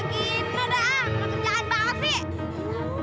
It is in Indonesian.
pekerjaan banget sih